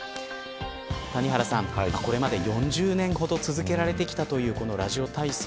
谷原さん、これまで４０年ほど続けられてきたというこのラジオ体操。